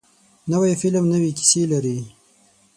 نوی فلم نوې کیسه لري